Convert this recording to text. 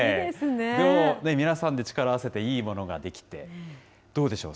でも、皆さんで力を合わせていいものが出来て、どうでしょう。